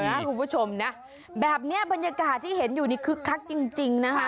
คุณผู้ชมนะแบบนี้บรรยากาศที่เห็นอยู่นี่คึกคักจริงนะคะ